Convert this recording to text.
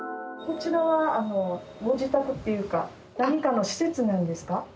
こちらはご自宅っていうか何かの施設なんですか？